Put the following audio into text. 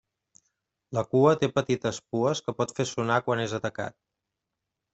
La cua té petites pues que pot fer sonar quan és atacat.